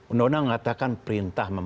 undang undang mengatakan perintah